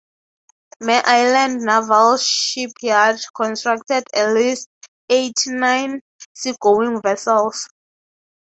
Mare Island Naval Shipyard constructed at least eighty-nine seagoing vessels.